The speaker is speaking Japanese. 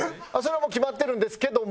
もう決まってるんですけども。